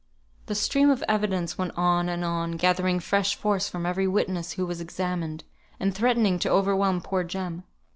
The stream of evidence went on and on, gathering fresh force from every witness who was examined, and threatening to overwhelm poor Jem.